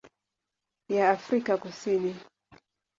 ya Afrika Kusini.